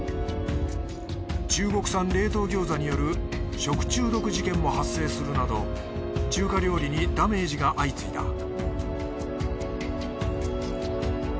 中国産冷凍餃子による食中毒事件も発生するなど中華料理にダメージが相次いだ